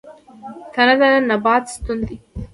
تنه د نبات ستون دی